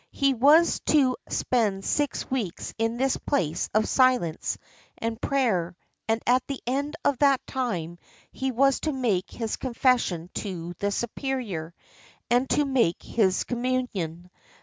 He was to spend six weeks in this place of silence and prayer, and at the end of that time he was to make his confession to the Superior, and to make his communion.